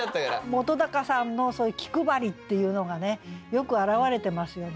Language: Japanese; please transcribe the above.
本さんのそういう気配りっていうのがねよく表れてますよね。